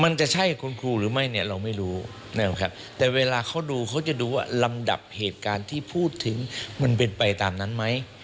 มันจะใช่คุณครูหรือไม่เนี่ยเราไม่รู้นะครับแต่เวลาเขาดูเขาจะดูว่าลำดับเหตุการณ์ที่พูดถึงมันเป็นไปตามนั้นไหม